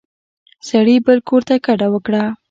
سړي بل کور ته کډه وکړه.